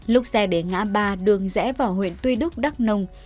lúc xe đến ngã ba đường rẽ vào huyện tuy đức đắk nông